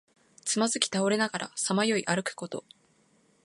つまずき倒れながらさまよい歩くこと。